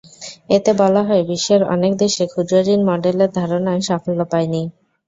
এতে বলা হয়, বিশ্বের অনেক দেশে ক্ষুদ্রঋণ মডেলের ধারণা সাফল্য পায়নি।